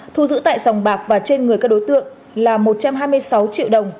thu giữ tại sòng bạc và trên người các đối tượng là một trăm hai mươi sáu triệu đồng